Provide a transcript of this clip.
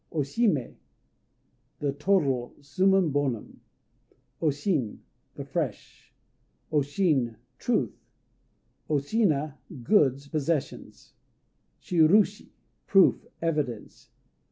O Shimé "The Total," summum bonum. O Shin "The Fresh." O Shin "Truth." O Shina "Goods," possessions. Shirushi "Proof," evidence.